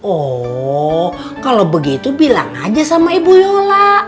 oh kalau begitu bilang aja sama ibu yola